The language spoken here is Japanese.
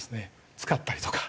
使ったりとか。